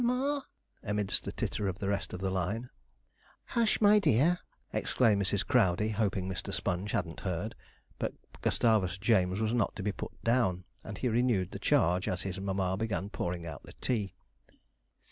amidst the titter of the rest of the line. 'Hush! my dear,' exclaimed Mrs. Crowdey, hoping Mr. Sponge hadn't heard. But Gustavus James was not to be put down, and he renewed the charge as his mamma began pouring out the tea.